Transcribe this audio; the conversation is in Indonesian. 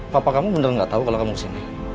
papa kamu bener gak tau kalau kamu kesini